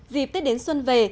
dịp tết đến xuân về